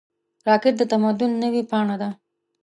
راکټ د تمدن نوې پاڼه ده